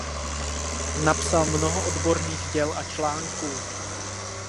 Napsal mnoho odborných děl a článků.